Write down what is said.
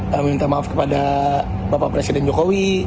kami minta maaf kepada bapak presiden jokowi